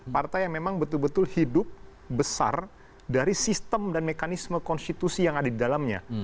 partai yang memang betul betul hidup besar dari sistem dan mekanisme konstitusi yang ada di dalamnya